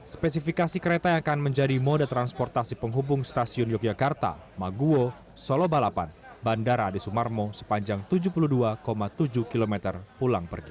spesifikasi kereta yang akan menjadi mode transportasi penghubung stasiun yogyakarta maguwo solo balapan bandara adi sumarmo sepanjang tujuh puluh dua tujuh km pulang pergi